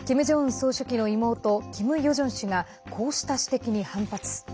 総書記の妹キム・ヨジョン氏がこうした指摘に反発。